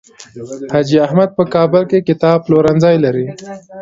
حاجي احمد په کابل کې کتاب پلورنځی لري.